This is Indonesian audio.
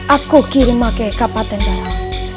aku kirim ke kapal tendara